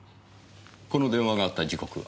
この電話があった時刻は？